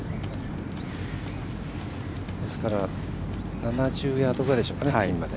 ですから、７０ヤードぐらいでしょうか、ピンまで。